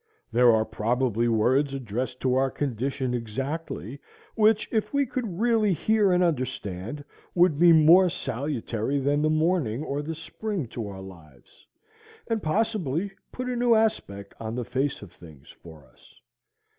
There are probably words addressed to our condition exactly, which, if we could really hear and understand, would be more salutary than the morning or the spring to our lives, and possibly put a new aspect on the face of things for us.